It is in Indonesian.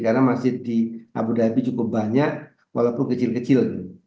karena masjid di abu dhabi cukup banyak walaupun kecil kecil